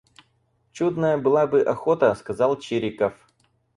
Чудная была бы охота, — сказал Чириков.